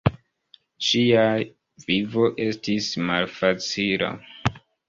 Ŝia vivo estis malfacila.